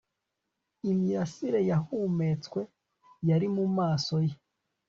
Imirasire yahumetswe yari mumaso ye